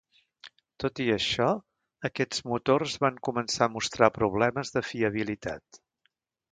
Tot i això, aquests motors van començar a mostrar problemes de fiabilitat.